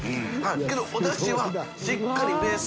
韻おだしはしっかりベース。